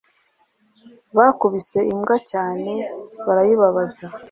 Bakubise imbwa cyane barayibabaza